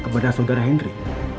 kepada saudara henry